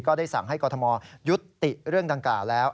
ก็ได้สั่งให้กอทมยุดติเรื่องดังกะแล้ว